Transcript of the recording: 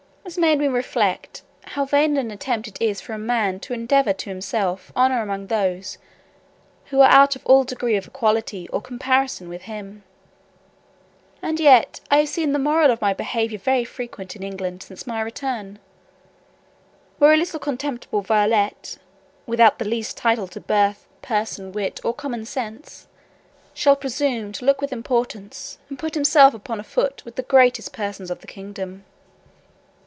This made me reflect, how vain an attempt it is for a man to endeavour to do himself honour among those who are out of all degree of equality or comparison with him. And yet I have seen the moral of my own behaviour very frequent in England since my return; where a little contemptible varlet, without the least title to birth, person, wit, or common sense, shall presume to look with importance, and put himself upon a foot with the greatest persons of the kingdom.